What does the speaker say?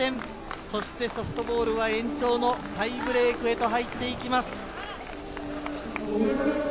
そしてソフトボールは延長のタイブレークへと入っていきます。